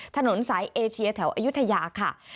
ถนนสายเอเชียแถวอายุทยาค่ะ